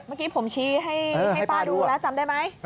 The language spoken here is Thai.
เมื่อกี้ผมชี้ให้ป้าดูแล้วจำได้ไหม